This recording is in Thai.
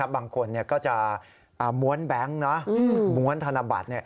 บางคนก็จะม้วนแบงค์ม้วนธนบัตร